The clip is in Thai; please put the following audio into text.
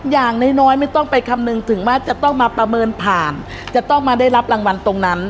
อย่างน้อยไม่ต้องไปคำนึงถึงว่าจะต้องมาประเมินผ่านจะต้องมาได้รับรางวัลตรงนั้น